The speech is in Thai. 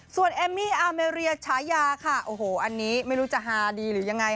ส่วนเอมมี่อาเมเรียฉายาค่ะโอ้โหอันนี้ไม่รู้จะฮาดีหรือยังไง